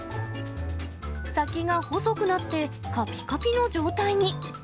先が細くなって、かぴかぴの状態に。